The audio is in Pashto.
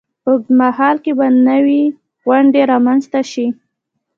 په اوږد مهال کې به نوې دندې رامینځته شي.